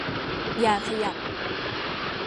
อย่าขยับ